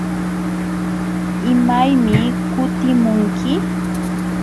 ¿Imaymi kutimunki?